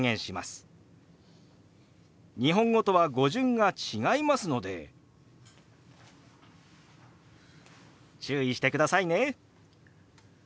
日本語とは語順が違いますので注意してくださいね。